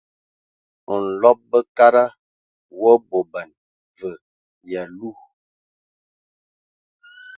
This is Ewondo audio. Nlɔb bəkada wa bɔban və yalu.